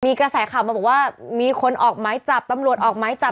มีกระแสข่าวมาบอกว่ามีคนออกหมายจับตำรวจออกหมายจับ